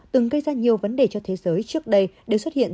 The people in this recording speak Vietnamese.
từng gây ra nhiều vấn đề cho thế giới trước đây đều xuất hiện